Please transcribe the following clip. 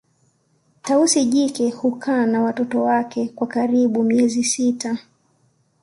Tausi jike hukaa na watoto wake kwa karibu miezi sita